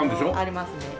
ありますね。